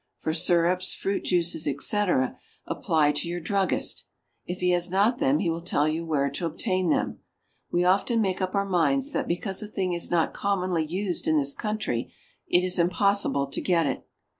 For syrups, fruit juices, etc., apply to your druggist; if he has not them he will tell you where to obtain them. We often make up our minds that because a thing is not commonly used in this country, it is impossible to get it.